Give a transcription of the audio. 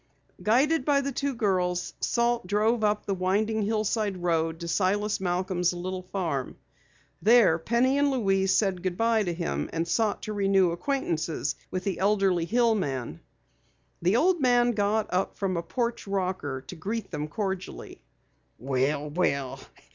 Guided by the two girls, Salt drove up the winding hillside road to Silas Malcom's little farm. There Penny and Louise said goodbye to him and sought to renew acquaintances with the elderly hillman. The old man got up from a porch rocker to greet them cordially. "Well! Well!